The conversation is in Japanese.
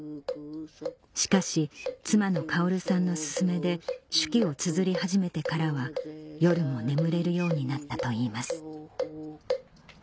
しかし妻のかをるさんの勧めで手記をつづり始めてからは夜も眠れるようになったといいます